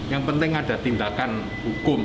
yang penting ada tindakan hukum